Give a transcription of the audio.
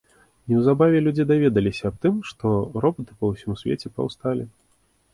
Неўзабаве людзі даведваюцца аб тым, што робаты па ўсім свеце паўсталі.